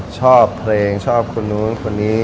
ชอบเพลงชอบคนนู้นคนนี้